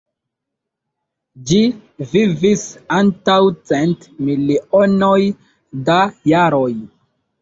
Ĝi vivis antaŭ cent milionoj da jaroj.